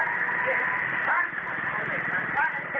เอ้ยพี่ทำเด็กอย่างนี้ไม่ได้